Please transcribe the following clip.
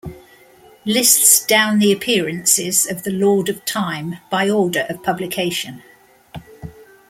Lists down the appearances of The Lord of Time by order of publication.